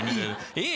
「ええ」